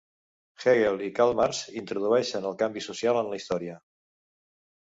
Hegel i Karl Marx introdueixen el canvi social en la història.